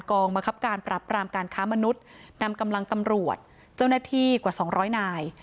กองบังคับการปรับปรามการค้ามนุษย์นำกำลังตำรวจเจ้าหน้าที่กว่า๒๐๐นาย